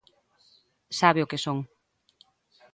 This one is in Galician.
Sabe o que son.